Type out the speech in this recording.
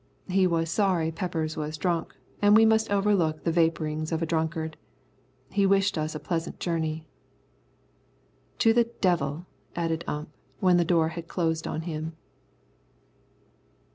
He was sorry Peppers was drunk, and we must overlook the vapourings of a drunkard. He wished us a pleasant journey. "To the devil," added Ump when the door had closed on him.